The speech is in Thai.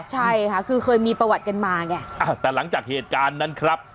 ใช่ค่ะคือเคยมีประวัติกันมาไงอ่าแต่หลังจากเหตุการณ์นั้นครับ